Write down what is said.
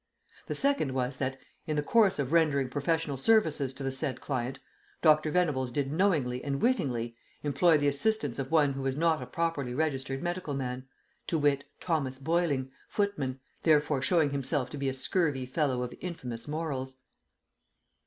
The second was that "in the course of rendering professional services to the said client, Dr. Venables did knowingly and wittingly employ the assistance of one who was not a properly registered medical man, to wit, Thomas Boiling, footman, thereby showing himself to be a scurvy fellow of infamous morals."